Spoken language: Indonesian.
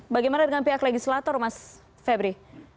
bagaimana dengan pihak legislator mas febri